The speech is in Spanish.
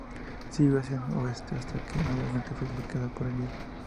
Siguió hacia el oeste hasta que nuevamente fue bloqueado por el hielo.